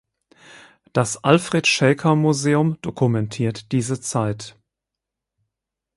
Das Alfred Shaker Museum dokumentiert diese Zeit.